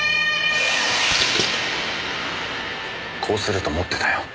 こうすると思ってたよ。